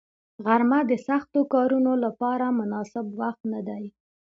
غرمه د سختو کارونو لپاره مناسب وخت نه دی